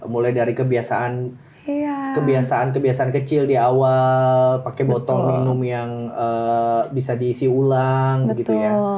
mulai dari kebiasaan kebiasaan kecil di awal pakai botol minum yang bisa diisi ulang begitu ya